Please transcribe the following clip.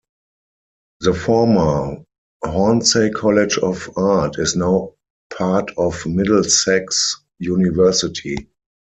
The former Hornsey College of Art is now part of Middlesex University.